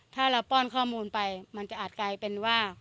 ถ้าเราป้อนข้อมูลไปมันจะอาจกลายเป็นว่า